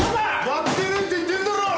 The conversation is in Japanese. やってねえって言ってるだろう！